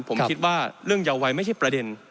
ผมคิดว่าเรื่องเยาวัยไม่ใช่ประเด็น